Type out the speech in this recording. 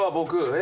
え？